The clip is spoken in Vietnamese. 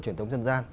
truyền thống dân gian